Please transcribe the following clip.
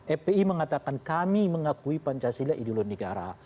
epi mengatakan kami mengakui pancasila adalah ideologi negara